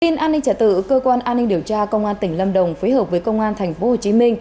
tin an ninh trả tự cơ quan an ninh điều tra công an tỉnh lâm đồng phối hợp với công an tp hcm